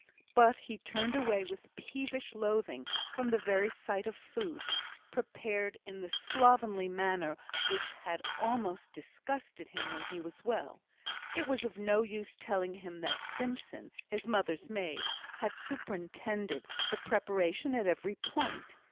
But he turned away with peevish loathing from the very sight of food, prepared in the slovenly manner which had almost disgusted him when he was well. It was of no use telling him that Simpson, his mother's maid, had superintended the preparation at every point.